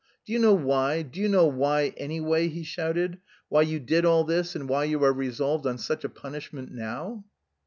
"Do you know why, do you know why, anyway," he shouted, "why you did all this, and why you are resolved on such a punishment now!"